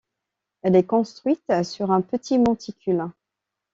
Elle est construite sur un petit monticule.